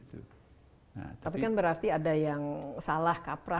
tapi kan berarti ada yang salah kaprah